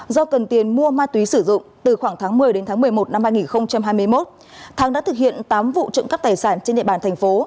do cần tiền mua ma túy sử dụng từ khoảng tháng một mươi đến tháng một mươi một năm hai nghìn hai mươi một thắng đã thực hiện tám vụ trộm cắp tài sản trên địa bàn thành phố